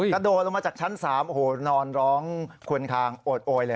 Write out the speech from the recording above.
กระโดดลงมาจากชั้น๓โอ้โหนอนร้องควนคางโอดโอยเลย